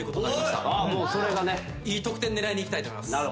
いい得点狙いにいきたいと思います。